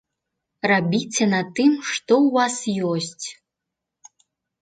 Рабіце на тым, што ў вас ёсць.